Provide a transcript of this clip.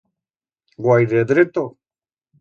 Guaire dreto?